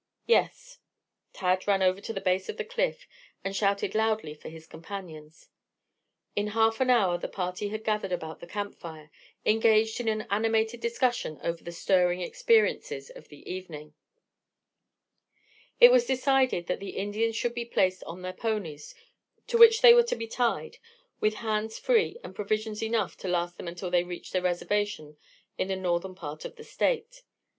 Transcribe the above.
"Yes." Tad ran over to the base of the cliff, and shouted loudly for his companions. In half an hour the party had gathered about the camp fire, engaged in an animated discussion over the stirring experiences of the evening. It was decided that the Indians should be placed on their ponies, to which they were to be tied, with hands free and provisions enough to last them until they reached their reservation in the northern part of the state.